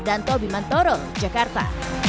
dan tobi mantoro jakarta